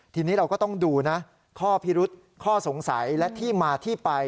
ทีนี้เราก็ต้องดูนะข้อพิรุษข้อสงสัยและที่มาที่ไป